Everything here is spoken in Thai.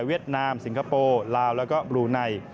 เวียตนามสิงคโปร์ลาวแล้วก็บลูนัย